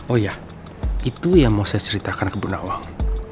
oh iya itu yang mau saya ceritakan ke bu nawang